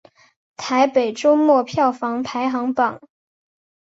台北周末票房排行榜